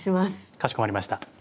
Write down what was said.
かしこまりました。